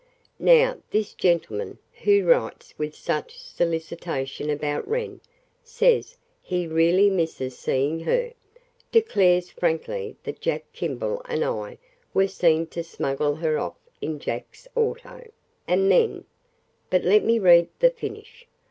Now this gentleman, who writes with such solicitation about Wren, says he really misses seeing her, declares frankly that Jack Kimball and I were seen to smuggle her off in Jack's auto, and then But let me read the finish.